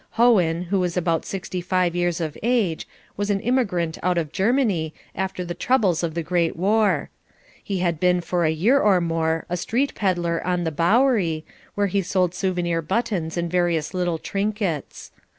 Hohen, who was about sixty five years of age, was an immigrant out of Germany after the troubles of the Great War. He had been for a year or more a street pedler on the Bowery, where he sold souvenir buttons and various little trinkets.